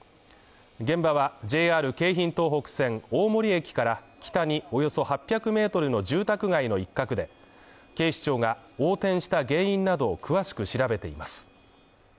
現場はＪＲ京浜東北線大森駅から北におよそ８００ｍの住宅街の一角で、警視庁が横転した原因などを詳しく調べています。